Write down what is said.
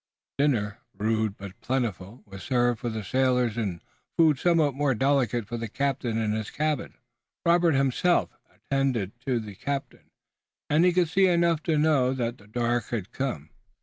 Dinner, rude but plentiful, was served for the sailors and food somewhat more delicate for the captain in his cabin. Robert himself attended to the captain, and he could see enough now to know that the dark had come.